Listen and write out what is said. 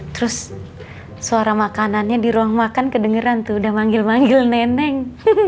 terus suara makanannya di ruang makan kedengeran tuh udah manggil manggil neneng